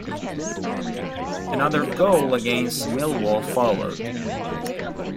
Another goal against Millwall followed.